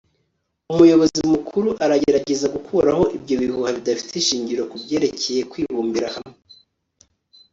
umuyobozi mukuru aragerageza gukuraho ibyo bihuha bidafite ishingiro kubyerekeye kwibumbira hamwe